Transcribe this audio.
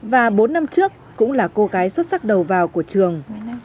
và bốn năm trước cũng là cô gái xuất sắc đầu vào của trường